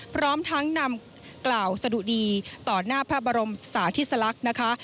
พร้อมทั้งนำกล่าวสะดุดีต่อหน้าพระบรมสาธิสลักษณ์นะคะ